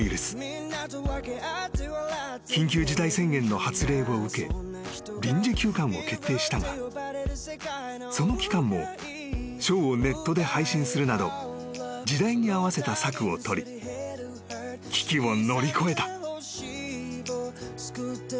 ［緊急事態宣言の発令を受け臨時休館を決定したがその期間もショーをネットで配信するなど時代に合わせた策を取り危機を乗り越えた］